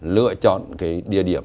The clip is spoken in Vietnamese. lựa chọn địa điểm